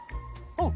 あっ！